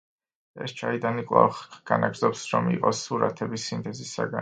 ეს ჩაიდანი კვლავ განაგრძობს რომ იყოს სურათების სინთეზის საგანი.